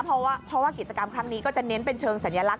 เพราะว่ากิจกรรมครั้งนี้ก็จะเน้นเป็นเชิงสัญลักษ